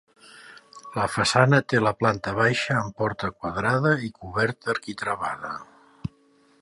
La façana té la planta baixa amb porta quadrada i coberta arquitravada.